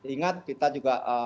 ingat kita juga